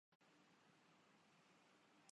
جہاں انسانی لاشوں کو عبرت کے لیے لٹکایا گیا تھا۔